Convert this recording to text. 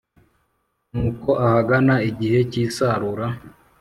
Nuko ahagana igihe cy’isarura,